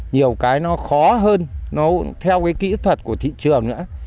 nhiều cái nó khó hơn nó theo cái kỹ thuật của thị trường nữa